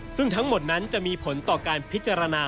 ซึ่งทั้งหมดนั้นจะมีผลต่อการพิจารณา